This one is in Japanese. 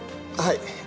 はい。